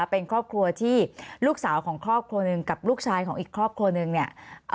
เป็นครอบครัวที่ลูกสาวของครอบครัวหนึ่งกับลูกชายของอีกครอบครัวหนึ่งเนี่ย